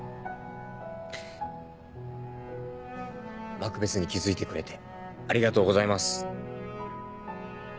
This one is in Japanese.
マクベスに気付いてくれてありがとうございます。